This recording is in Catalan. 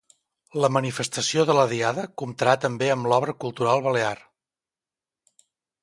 La manifestació de la Diada comptarà també amb l'Obra Cultural Balear.